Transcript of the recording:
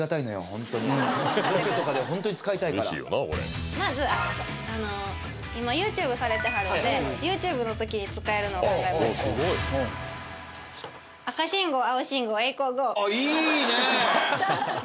ホントにロケとかでホントに使いたいからまずあの今ＹｏｕＴｕｂｅされてはるのでＹｏｕＴｕｂｅの時に使えるのを考えましたあっいいね！